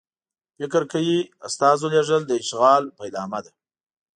فکر کوي استازو لېږل د اشغال پیلامه ده.